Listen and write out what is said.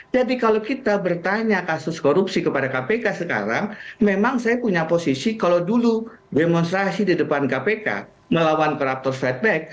jadi kalau kita bertanya kasus korupsi kepada kpk sekarang memang saya punya posisi kalau dulu demonstrasi di depan kpk melawan corruptors fight back